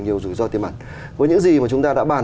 nhiều rủi ro tiềm ẩn với những gì mà chúng ta đã bàn